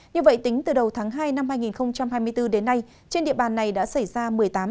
như vậy tính từ đầu tháng hai năm hai nghìn hai mươi bốn đến nay trên địa bàn này đã xảy ra một mươi tám trận động đất